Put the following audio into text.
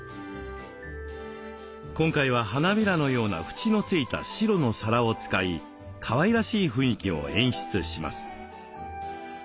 今回は花びらのような縁のついた白の皿を使いかわいらしい雰囲気を演出します。